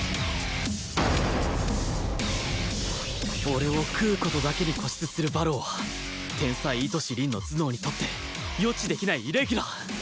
俺を喰う事だけに固執する馬狼は天才糸師凛の頭脳にとって予知できないイレギュラー